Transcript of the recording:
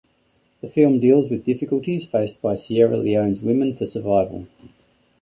The film deals with difficulties faced by Sierra Leone’s women for survival.